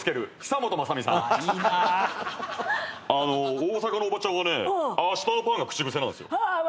大阪のおばちゃんはね「あしたのパン」が口癖なんすよ。